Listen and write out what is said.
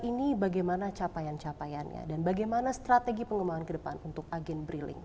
ini bagaimana capaian capaiannya dan bagaimana strategi pengembangan kedepan untuk agen brilling